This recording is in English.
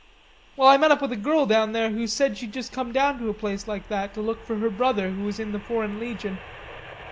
Well, I met up with a girl down there, who said she'd just come down to a place like that to look for her brother who was in the foreign legion."